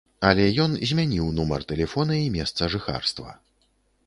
Але ён змяніў нумар тэлефона і месца жыхарства.